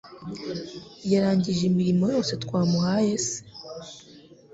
Yarangije imirimo yose twamuhaye se?